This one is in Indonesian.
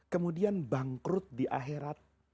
kemudian bangkrut di akhirat